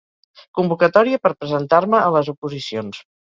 Convocatòria per presentar-me a les oposicions.